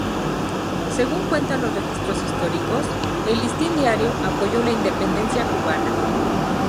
Según cuentan los registros históricos, el Listín Diario apoyó la independencia cubana.